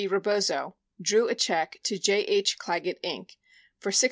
Rebozo, drew a check to J. H. Clagett, Inc., for $6,508.